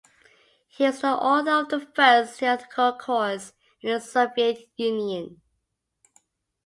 He was the author of the first theoretical course in the Soviet Union.